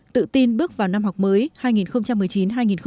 tự tin bước vào năm học mới hai nghìn một mươi chín hai nghìn hai mươi